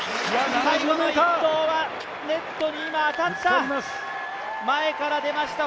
最後の１投はネットに当たった。